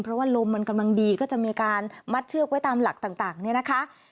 เพราะว่าลมมันกำลังดีก็จะมีการมัดเชือกไว้ตามหลักต่างเนี่ยนะคะ